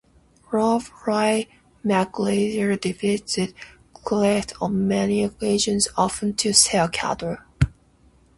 Rob Roy MacGregor visited Crieff on many occasions, often to sell cattle.